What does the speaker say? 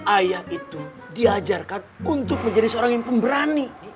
ayah itu diajarkan untuk menjadi seorang yang pemberani